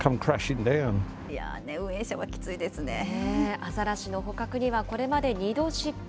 アザラシの捕獲にはこれまでに２度失敗。